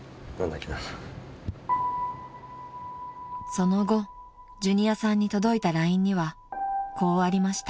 ［その後ジュニアさんに届いたＬＩＮＥにはこうありました］